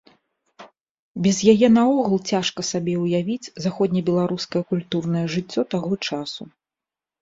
Без яе наогул цяжка сабе ўявіць заходнебеларускае культурнае жыццё таго часу.